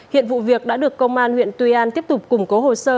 hiện vụ việc đã được công an huyện tuy an tiếp tục củng cố hồ sơ